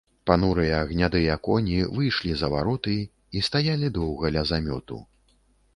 Панурыя гнядыя коні выйшлі за вароты і стаялі доўга ля замёту.